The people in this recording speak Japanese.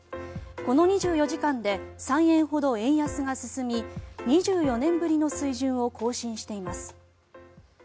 この２４時間で３円ほど円安が進み２４年ぶりの水準を更新しています。